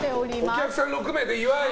お客さん６名で、岩井。